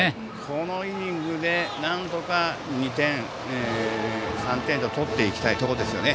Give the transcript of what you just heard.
このイニングでなんとか２点３点と取っていきたいところですね。